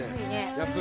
安い。